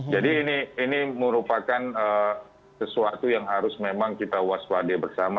jadi ini merupakan sesuatu yang harus memang kita waspade bersama